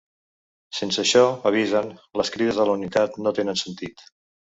Sense això, avisen, les crides a la unitat ‘no tenen sentit’.